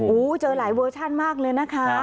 เจอหลายเวอร์ชั่นมากเลยนะคะ